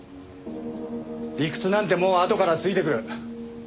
理屈なんてもんはあとからついてくる。